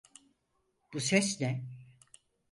Bu ses ne?